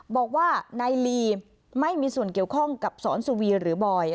บอกว่านายลีไม่มีส่วนเกี่ยวข้องกับสอนสุวีหรือบอย